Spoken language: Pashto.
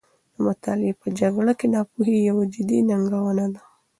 د مطالعې په جګړه کې، ناپوهي یوه جدي ننګونه ده.